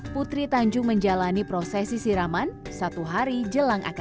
putri tanjung menjalani prosesi siraman satu hari jelang akad